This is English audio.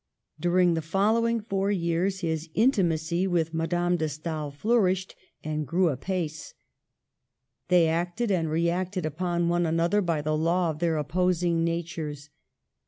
During the following four years his intimacy with Madame de Stael flourished and Digitized by VjOOQIC 88 MADAME DE STA&L. grew apace. They acted and reacted upon one another by the law of their opposing natures.